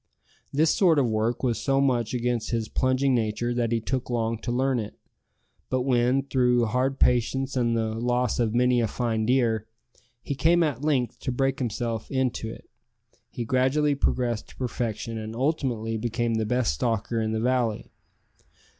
This sort of work was so much against his plunging nature that he took long to learn it; but when, through hard practice and the loss of many a fine deer, he came at length to break himself in to it, he gradually progressed to perfection, and ultimately became the best stalker in the valley.